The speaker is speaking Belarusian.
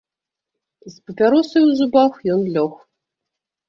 З папяросай у зубах ён лёг.